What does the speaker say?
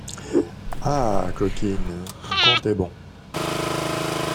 Ah ! coquine, ton compte est bon !